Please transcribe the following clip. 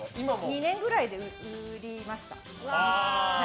２年くらいで売りました。